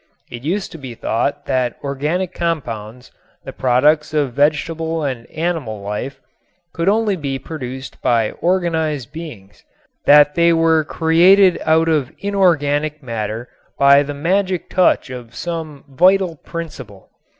It used to be thought that organic compounds, the products of vegetable and animal life, could only be produced by organized beings, that they were created out of inorganic matter by the magic touch of some "vital principle."